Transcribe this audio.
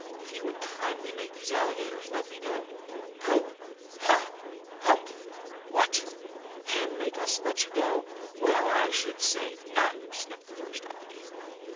"If you would kindly make these alligators let me go " "Pooh! Huh! Humph! What! Him make us let you go? Well, I should say NOT!" sniffed the first alligator.